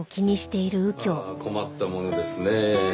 ああ困ったものですねぇ。